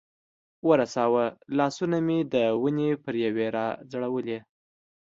ورساوه، لاسونه مې د ونې پر یوې را ځړېدلې.